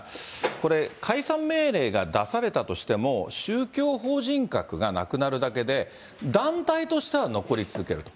これ、解散命令が出されたとしても、宗教法人格がなくなるだけで、団体としたら残り続けると。